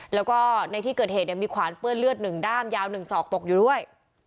แล้วก็ในที่เกิดเหตุมีขวานเปื้อนเลือด๑ด้ามยาว๑ศอกตกอยู่ด้วย